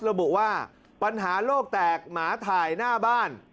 ระบุว่าปัญหาโลกแตกหมาถ่ายหน้าบ้าน